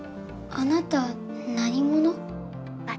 あなた何者？